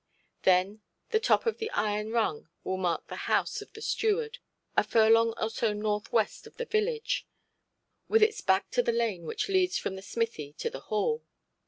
Then the top of the iron rung will mark the house of the steward, a furlong or so north–west of the village, with its back to the lane which leads from the smithy to the Hall.